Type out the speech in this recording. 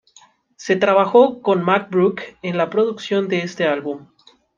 Se trabajo con Mack Brock, en la producción de este álbum.